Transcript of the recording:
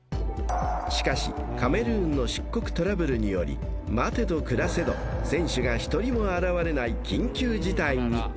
［しかしカメルーンの出国トラブルにより待てど暮らせど選手が一人も現れない緊急事態に］